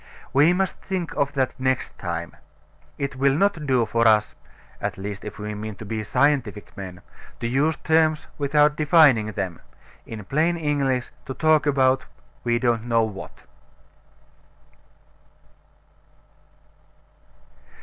We must think of that next time. It will not do for us (at least if we mean to be scientific men) to use terms without defining them; in plain English, to talk about we don't know what.